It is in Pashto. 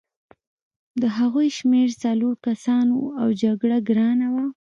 د هغوی شمېر څلور کسان وو او جګړه ګرانه وه